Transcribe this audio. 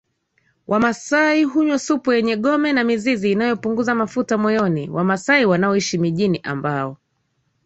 Wamasai hunywa supu yenye gome na mizizi inayopunguza mafuta moyoni Wamasai wanaoishi mijini ambao